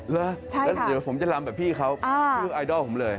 เหรอแล้วเดี๋ยวผมจะลำแบบพี่เขาชื่อไอดอลผมเลย